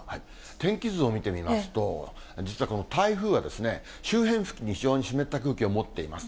天気図を見てみますと、実はこの台風は、周辺付近に非常に湿った空気を持っています。